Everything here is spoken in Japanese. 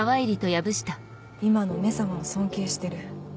今の「め様」を尊敬してる。